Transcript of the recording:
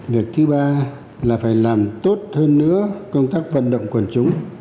việc thứ ba là phải làm tốt hơn nữa công tác vận động quần chúng